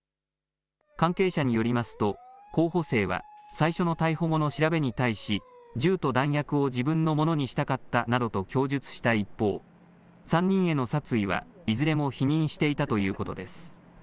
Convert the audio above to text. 関係者によりますと候補生は最初の逮捕後の調べに対し銃と弾薬を自分のものにしたかったなどと供述した一方３人への殺意はいずれも否認していたということです。